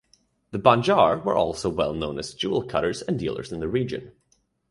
The Banjar were also well known as jewel cutters and dealers in the region.